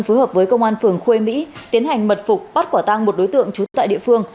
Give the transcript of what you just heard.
phối hợp với công an phường khuê mỹ tiến hành mật phục bắt quả tang một đối tượng trú tại địa phương